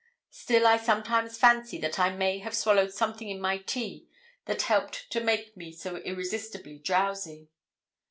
Still I sometimes fancy that I may have swallowed something in my tea that helped to make me so irresistibly drowsy.